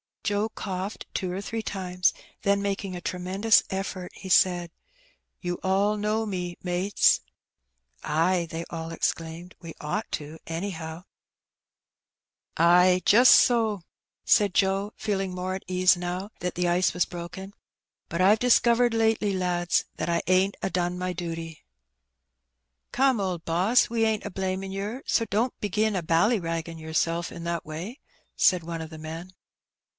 Joe coughed two or three times, then making a tremendous effort, he said— '^You all know me, mates?'' ''Ay," they all exclaimed, ''we ought to, anyhow." 178 Heb Benny. *^Ay, jist so/' said Joe, feeling more at ease now that the ice was broken; "but IVe discovered lately, lads, that I ain't a done my duty/' " Come, old boss, we ain't a blamin' yer ; so don't begin a ballyraggin' yoursel' in that way," said one of the men.